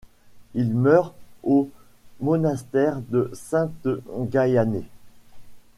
Il meurt au monastère de Sainte-Gayané.